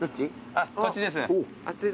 あっこっちです。